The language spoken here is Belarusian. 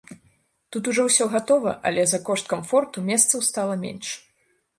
Тут ужо ўсё гатова, але за кошт камфорту месцаў стала менш.